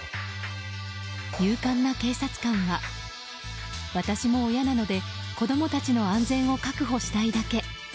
勇敢な警察官は私も親なので子供たちの安全を確保したいだけ。